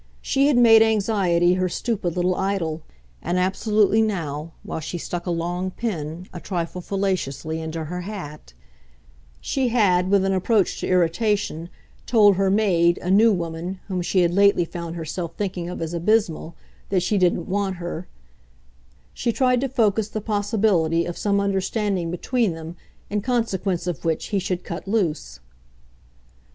She had made anxiety her stupid little idol; and absolutely now, while she stuck a long pin, a trifle fallaciously, into her hat she had, with an approach to irritation, told her maid, a new woman, whom she had lately found herself thinking of as abysmal, that she didn't want her she tried to focus the possibility of some understanding between them in consequence of which he should cut loose.